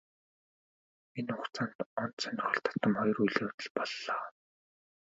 Энэ хугацаанд онц сонирхол татам хоёр үйл явдал боллоо.